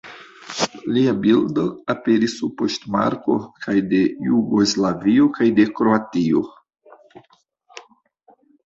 Lia bildo aperis sur poŝtmarkoj kaj de Jugoslavio kaj de Kroatio.